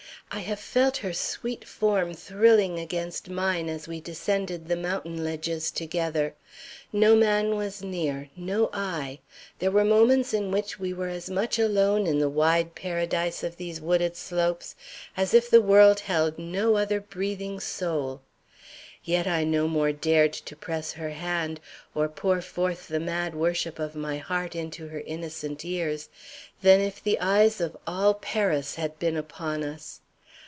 I have felt her sweet form thrilling against mine as we descended the mountain ledges together! No man was near, no eye there were moments in which we were as much alone in the wide paradise of these wooded slopes as if the world held no other breathing soul. Yet I no more dared to press her hand, or pour forth the mad worship of my heart into her innocent ears, than if the eyes of all Paris had been upon us.